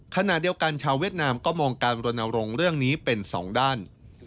ขณะเดียวกันชาวเวียดนามก็มองการบรณรงค์เรื่องนี้เป็นสองด้าน